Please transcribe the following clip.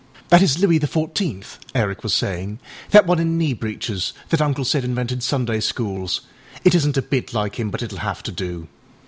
âThat is Louis the Fourteenth,â Eric was saying, âthat one in knee breeches, that Uncle said invented Sunday schools. It isnât a bit like him, but itâll have to do.